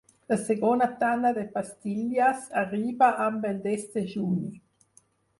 La segona tanda de pastilles arriba amb el desdejuni.